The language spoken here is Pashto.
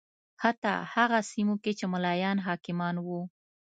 حتی هغه سیمو کې چې ملایان حاکمان و